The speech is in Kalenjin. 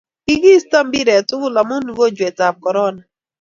kikiista mpiret tugul amun ugojwet ab korona